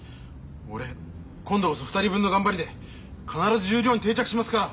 俺今度こそ２人分の頑張りで必ず十両に定着しますから！